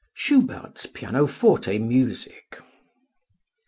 Schubert's Pianoforte Music.